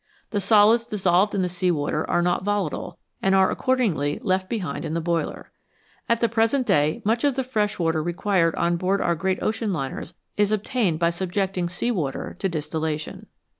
The solids dissolved in the sea water are not volatile, and are accordingly left behind in the boiler. At the present day much of the fresh water required on board our great ocean liners is obtained by subjecting sea water to distillation.